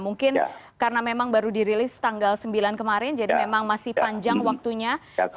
mungkin karena memang baru dirilis tanggal sembilan kemarin jadi memang masih panjang waktunya